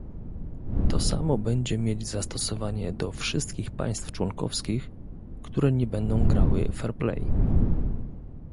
To samo będzie mieć zastosowanie do wszystkich państw członkowskich, które nie będą grały fair-play